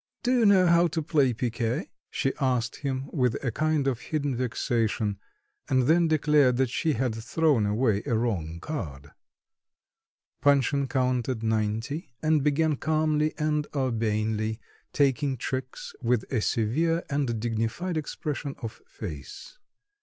"Do you know how to play picquet?" she asked him with a kind of hidden vexation, and then declared that she had thrown away a wrong card. Panshin counted ninety, and began calmly and urbanely taking tricks with a severe and dignified expression of face.